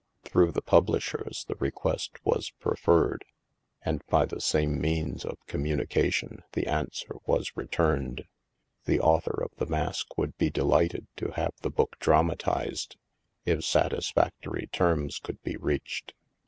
Through the publishers the re quest was preferred. And by the same means of communication the answer was returned: The author of " The Mask " would be delighted to have the book dramatized, if satisfactory terms could be reached.